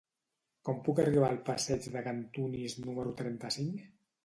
Com puc arribar al passeig de Cantunis número trenta-cinc?